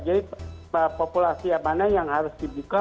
jadi populasi mana yang harus dibuka